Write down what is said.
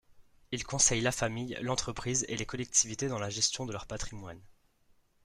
Il conseille la famille, l'entreprise et les collectivités dans la gestion de leur patrimoine.